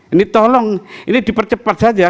ini tolong ini dipercepat saja